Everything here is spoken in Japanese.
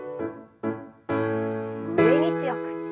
上に強く。